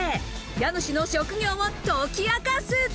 家主の職業を解き明かす。